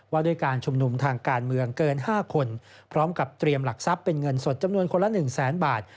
ว่าด้วยการชุมนุมทางการเมืองเกิน๕คนพร้อมกับเตรียมหลักทรัพย์เป็นเงินสดจำนวนคนละ๑แสนบาท